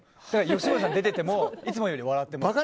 吉村さんが出ていてもいつもより笑ってます。